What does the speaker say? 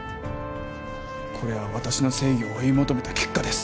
これは私の正義を追い求めた結果です。